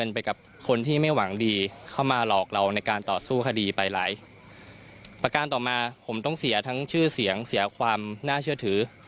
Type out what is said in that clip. ประการต่อมาผมต้องเสียทั้งชื่อเสียงเสียความน่าเชื่อถือ